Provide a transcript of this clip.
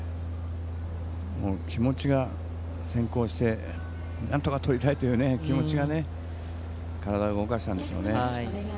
気持ちが先行してなんとかとりたいという気持ちが体を動かしたんでしょうね。